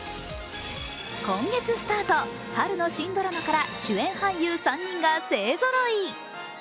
今月スタート、春の新ドラマから主演俳優３人が勢ぞろい。